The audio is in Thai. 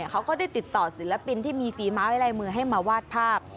เขาก็ได้ติดต่อศิลปินที่มีฝีไม้ลายมือให้มาวาดภาพ